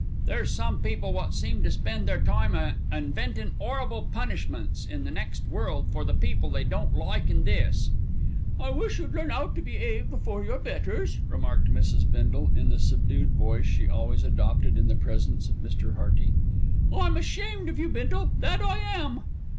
"There's some people wot seem to spend their time a inventin' 'orrible punishments in the next world for the people they don't like in this." "I wish you'd learn 'ow to be'ave before your betters," remarked Mrs. Bindle, in the subdued voice she always adopted in the presence of Mr. Hearty. "I'm ashamed of you, Bindle, that I am."